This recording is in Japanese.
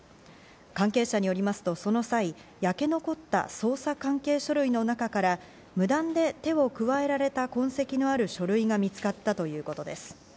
関係者によりますと、その際、焼け残った捜査関係書類の中から無断で手を加えられた痕跡のある書類が見つかったということです。